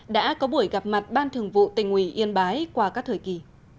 đã có buổi gặp mặt ban thường vụ tình ủy yên bái qua các thời kỳ